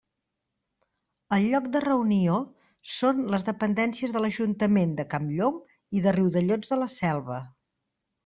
El lloc de reunió són les dependències de l'Ajuntament de Campllong i de Riudellots de la Selva.